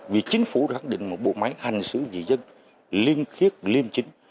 vì chính phủ đoán định một bộ máy hành xử dị dân liên khiết liên chính